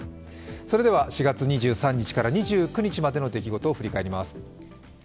それでは４月２３日から２９日までの出来事を振り返ります。